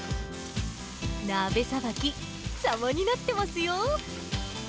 鍋さばき、さまになってますよ。